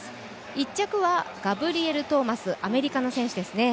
１着はガブリエル・トーマス、アメリカの選手ですね。